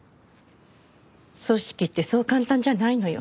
組織ってそう簡単じゃないのよ。